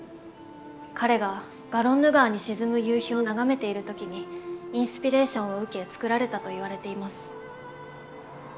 彼がガロンヌ川に沈む夕日を眺めている時にインスピレーションを受け作られたといわれています。